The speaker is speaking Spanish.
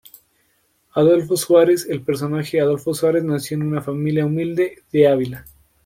Adolfo Suárez, el personaje Adolfo Suárez nació en una familia humilde de Ávila.